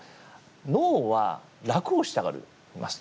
脳は楽をしたがりますと。